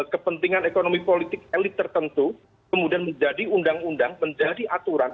kepentingan ekonomi politik elit tertentu kemudian menjadi undang undang menjadi aturan